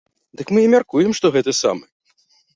Дык мы і мяркуем, што гэты самы.